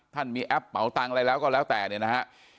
ท่านมีแอปเป๋าตังค์อะไรแล้วก็แล้วแต่เนี่ยนะฮะ